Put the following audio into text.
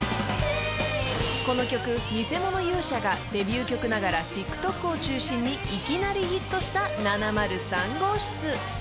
［この曲『偽物勇者』がデビュー曲ながらＴｉｋＴｏｋを中心にいきなりヒットした７０３号室］